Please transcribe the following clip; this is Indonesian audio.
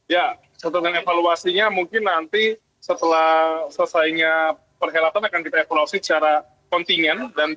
ya catatan evaluasinya mungkin nanti setelah selesainya perkhidmatan akan kita evaluasi secara kontingen dan penyelenggaraan sekalipun hospitaliti